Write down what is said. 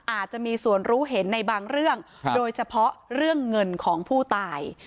อาจจะมีส่วนรู้เห็นในบางเรื่องโดยเฉพาะเรื่องเงินของผู้ตาย